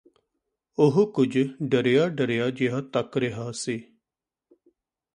ਉਹ ਕੁਝ ਡਰਿਆ ਡਰਿਆ ਜਿਹਾ ਤੱਕ ਰਿਹਾ ਸੀ